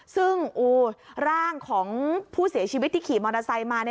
ซึ่งร่างของผู้เสียชีวิตที่ขี่มอเตอร์ไซค์มา